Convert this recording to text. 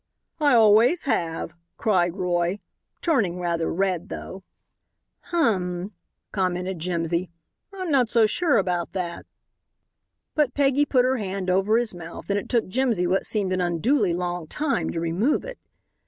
"I always have," cried Roy, turning rather red, though. "Hum," commented Jimsy; "I'm not so sure about that." But Peggy put her hand over his mouth and it took Jimsy what seemed an unduly long time to remove it.